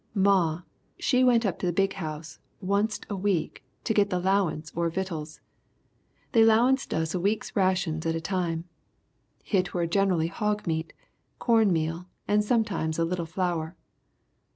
"Maw, she went up to the big house onc't a week to git the 'lowance or vittles. They 'lowanced us a week's rations at a time. Hit were generally hog meat, corn meal and sometimes a little flour.